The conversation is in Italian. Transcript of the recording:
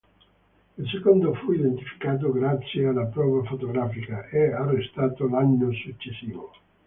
Il secondo fu identificato grazie alla prova fotografica e arrestato l'anno successivo.